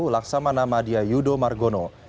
laksamana madia yudo margono